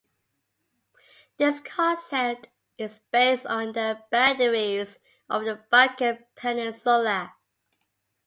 This concept is based on the boundaries of the Balkan peninsula.